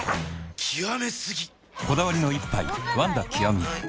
極め過ぎ！